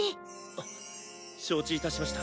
あっ承知いたしました。